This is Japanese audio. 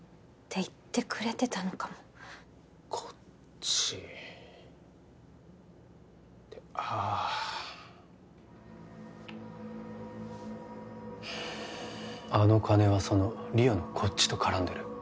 言ってくれてたのかも「こっち」ってあああの金はその莉桜の「こっち」と絡んでる？